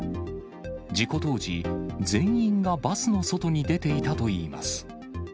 事故当時、全員がバスの外に出ていたといいます。